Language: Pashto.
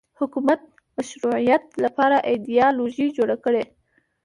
حکومت مشروعیت لپاره ایدیالوژي جوړه کړي